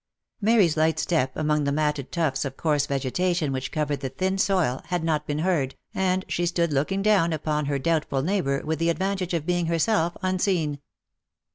Mary's light step among the matted tufts of coarse vegetation which covered the thin soil, had not been heard, and she stood looking down upon her doubtful neighbour with the advantage of being herself un seen.